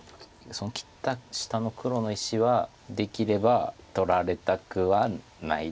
その切った下の黒の石はできれば取られたくはないです。